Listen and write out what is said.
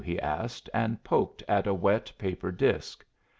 he asked, and poked at a wet paper disc.